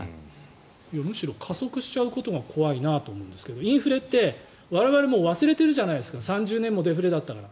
むしろ加速しちゃうことが怖いなと思うんですがインフレって我々も忘れてるじゃないですか３０年もデフレだったから。